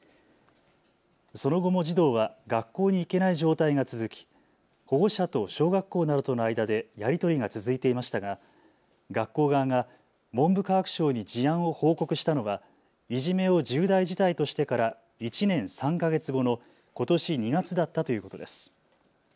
その後も児童は学校に行けない状態が続き、保護者と小学校などとの間でやり取りが続いていましたが学校側が文部科学省に事案を報告したのはいじめを重大事態としてから１年３か月後のことし２月だったということです。